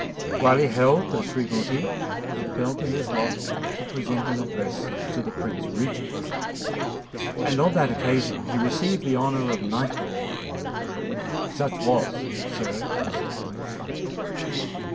While he held the Shrievalty, it fell to his lot to present an address to the Prince Regent; and on that occasion he received the honour of knighthood. Such was Sir Christopher Blunt.